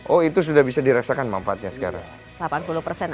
oh itu sudah bisa dirasakan manfaatnya sekarang